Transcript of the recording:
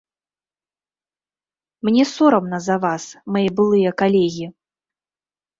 Мне сорамна за вас, мае былыя калегі.